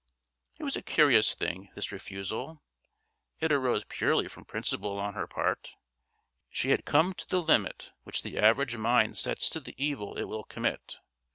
It was a curious thing, this refusal. It arose purely from principle on her part; she had come to the limit which the average mind sets to the evil it will commit.